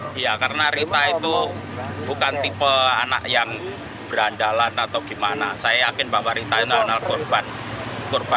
sejumlah warga menyalakan aksi keprihatinan dengan menyalakan lilin di halaman kantor dprd ponorogo